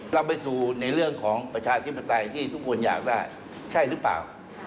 เราไปสู่ในเรื่องของประชาธิปไตยที่ทุกคนอยากได้ใช่หรือเปล่า